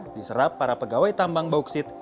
diserap para pegawai tambang bauksit